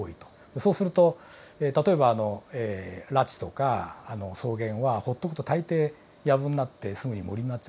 そうすると例えば裸地とか草原はほっとくと大抵やぶになってすぐに森になっちゃうんですね。